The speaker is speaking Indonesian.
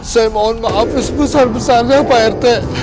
saya mohon maaf ya sebesar besarnya pak rete